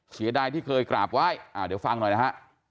เสียดายที่เคยกราบไหว้เดี๋ยวฟังหน่อยนะฮะ